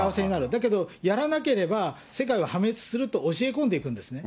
だけどやらなければ世界は破滅すると教え込んでいくんですね。